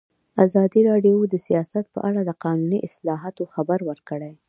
ازادي راډیو د سیاست په اړه د قانوني اصلاحاتو خبر ورکړی.